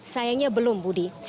sayangnya belum budi